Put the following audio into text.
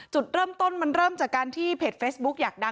จุดเริ่มต้นมันเริ่มจากการที่เพจเฟซบุ๊กอยากดัง